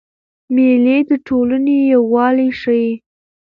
مېلې د ټولني یووالی ښيي.